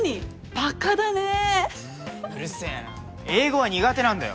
バカだねうるせえな英語は苦手なんだよ